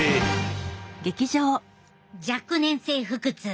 若年性腹痛